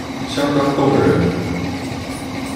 相當動人